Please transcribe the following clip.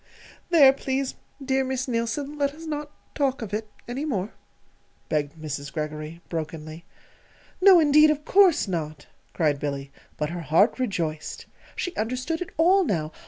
_ There, please, dear Miss Neilson, let us not talk of it any more," begged Mrs. Greggory, brokenly. "No, indeed, of course not!" cried Billy; but her heart rejoiced. She understood it all now.